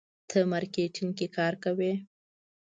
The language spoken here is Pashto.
ته مارکیټینګ کې کار کوې.